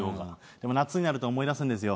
でも夏になると思い出すんですよ。